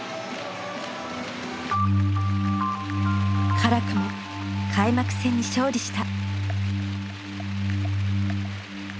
辛くも開幕戦に勝利した。